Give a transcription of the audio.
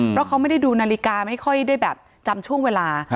เพราะเขาไม่ได้ดูนาฬิกาไม่ค่อยได้แบบจำช่วงเวลา